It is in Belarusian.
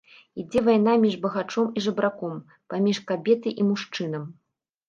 Ідзе вайна між багачом і жабраком, паміж кабетай і мужчынам.